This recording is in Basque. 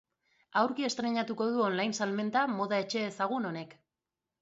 Aurki estreinatuko du online salmenta moda etxe ezagun honek.